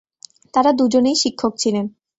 তারা দুজনেই শিক্ষক ছিলেন।